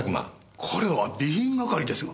彼は備品係ですが。